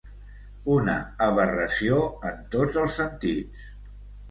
Una aberració en tots els sentits.